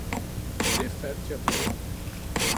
Det faldt jeg på.